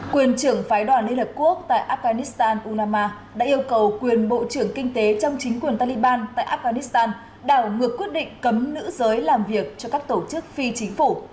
quyền trưởng phái đoàn liên hợp quốc tại afghanistan unama đã yêu cầu quyền bộ trưởng kinh tế trong chính quyền taliban tại afghanistan đảo ngược quyết định cấm nữ giới làm việc cho các tổ chức phi chính phủ